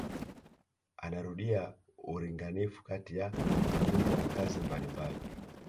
Anarudia ulinganifu kati ya makundi ya wakaazi mbalimbali